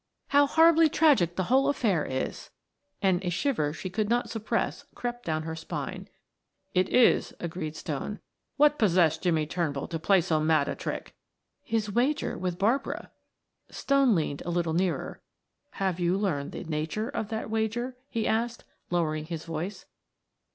"How horribly tragic the whole affair is!" And a shiver she could not suppress crept down her spine. "It is," agreed Stone. "What possessed Jimmie Turnbull to play so mad a trick?" "His wager with Barbara." Stone leaned a little nearer. "Have you learned the nature of that wager?" he asked, lowering his voice.